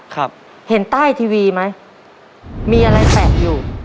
ครับเห็นใต้ทีวีไหมมีอะไรแปะอยู่